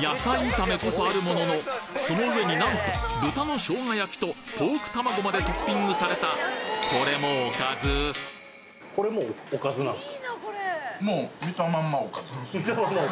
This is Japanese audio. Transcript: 野菜炒めこそあるもののその上になんと豚の生姜焼きとポーク玉子までトッピングされたこれもそうなんですか？